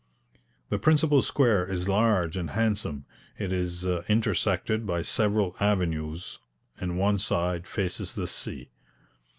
The principal square is large and handsome; it is intersected by several avenues, and one side faces the sea.